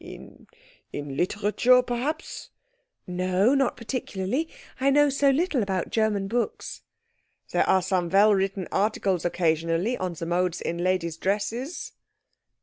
"In in literature, perhaps?" "No, not particularly. I know so little about German books." "There are some well written articles occasionally on the modes in ladies' dresses."